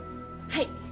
はい。